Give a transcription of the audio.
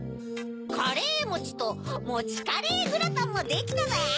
カレーもちともちカレーグラタンもできたぜ！